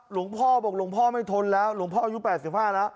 หลวงพ่อบอกหลวงพ่อไม่ทนแล้วหลวงพ่ออายุ๘๕แล้ว